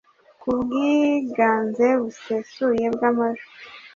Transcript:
ku bwiganze busesuye bw amajwi